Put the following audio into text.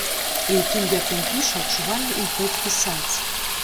І ў тым, як ён піша, адчувальны імпэт пісаць.